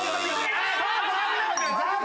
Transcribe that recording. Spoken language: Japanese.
残念！